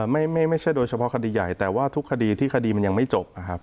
ไม่ใช่โดยเฉพาะคดีใหญ่แต่ว่าทุกคดีที่คดีมันยังไม่จบนะครับ